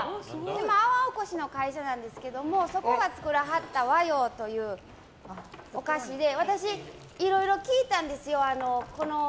粟おこしの会社なんですけどもそこが作らはった和洋というお菓子で私、いろいろ聞いたんです。